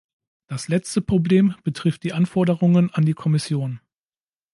Das letzte Problem betrifft die Anforderungen an die Kommission.